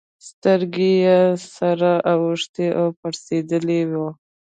سترگه يې سره اوښتې او پړسېدلې وه.